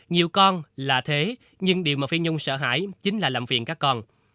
nhiều con là thế nhưng điều mà phi nhung sợ hãi chính là làm việc các con